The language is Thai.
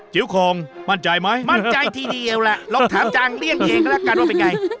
จิ๋วข่งมั่นใจมั้ยมั่นใจทีเดียวล่ะลองถามจังเลี่ยงเองละกันว่าเป็นไง